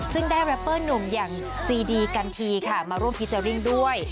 ซึ่งได้แรปเปอร์หนุ่มอย่างซีดีกันทีค่ะมาร่วมพรีเซอร์ริ่งด้วย